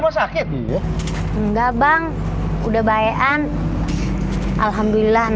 kamel kamel disini bukannya dia sakit nggak bang udah bayaan alhamdulillah